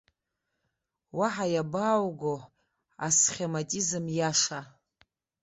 Уаҳа иабаауго асхематизм иаша.